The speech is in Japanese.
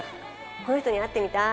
この人に会ってみたー